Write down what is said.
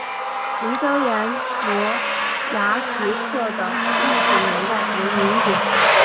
凌霄岩摩崖石刻的历史年代为民国。